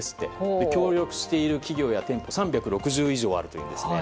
協力している企業・店舗は３６０以上あるというんです。